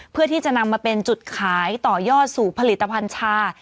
เพื่อที่จะนำมาเป็นจุดขายต่อยอดสู่ผลิตภัณฑ์ชา